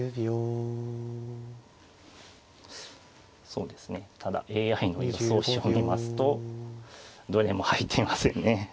そうですねただＡＩの予想手を見ますとどれも入っていませんね。